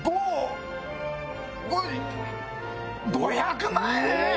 ごご５００万円！？